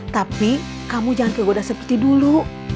tapi kamu jangan kegoda seperti dulu